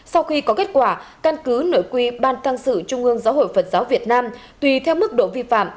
sau khi có kết quả căn cứ nội quy ban tăng sử trung ương giáo hội phật giáo việt nam tp hcm